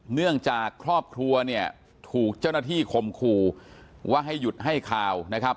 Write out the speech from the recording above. เนื่องจากครอบครัวเนี่ยถูกเจ้าหน้าที่คมคู่ว่าให้หยุดให้ข่าวนะครับ